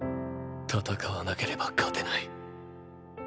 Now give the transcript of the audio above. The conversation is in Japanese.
戦わなければ勝てない。